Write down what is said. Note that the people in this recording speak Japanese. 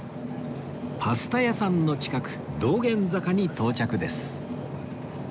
パスタ屋さんの近く道玄坂に到着です